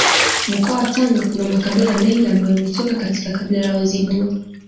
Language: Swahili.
Mkoa wa Tanga kuna makabila mengi ambayo yametoka katika kabila la Wazigua